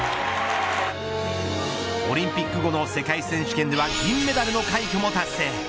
オリンピック後の世界選手権では金メダルの快挙を達成。